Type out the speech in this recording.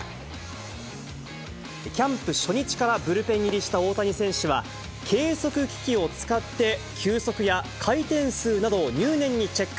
キャンプ初日からブルペン入りした大谷選手は、計測機器を使って、球速や回転数などを入念にチェック。